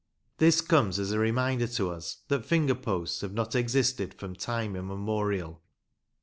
This comes as a reminder to us that finger posts have not existed from time immemorial.